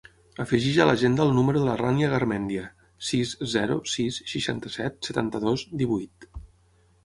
Afegeix a l'agenda el número de la Rània Garmendia: sis, zero, sis, seixanta-set, setanta-dos, divuit.